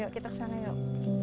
kita ke sana yuk